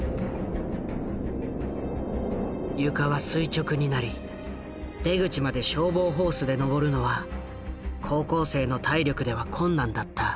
床は垂直になり出口まで消防ホースで登るのは高校生の体力では困難だった。